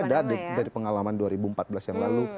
ada dari pengalaman dua ribu empat belas yang lalu